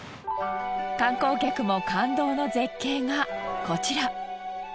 観光客も感動の絶景がこちら。